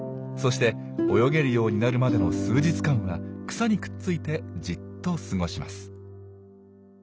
そして泳げるようになるまでの数日間は草にくっついてじっと過ごします。